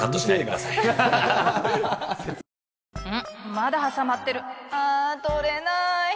まだはさまってるあ取れない！